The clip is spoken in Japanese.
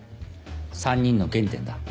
３人の原点だ。